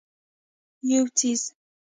یو څیز